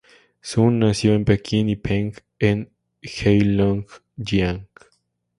Sun nació en Pekín y Peng en Heilongjiang.